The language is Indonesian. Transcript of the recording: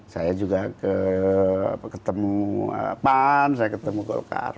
saya juga ketemu pan saya ketemu golkar